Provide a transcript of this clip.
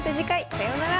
さようなら。